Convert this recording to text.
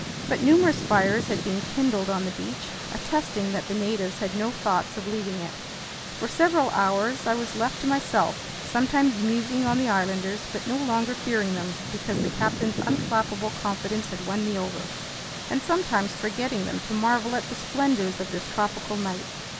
But numerous fires had been kindled on the beach, attesting that the natives had no thoughts of leaving it. For several hours I was left to myself, sometimes musing on the islanders—but no longer fearing them because the captain's unflappable confidence had won me over—and sometimes forgetting them to marvel at the splendors of this tropical night.